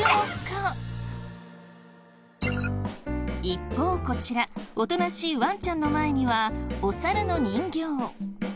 一方こちらおとなしいワンちゃんの前にはお猿の人形。